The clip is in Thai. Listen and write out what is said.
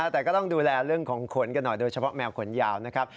แต่ก็ต้องดูแลเรื่องของขนกันหน่อยโดยเฉพาะแมวขนยาวนะครับ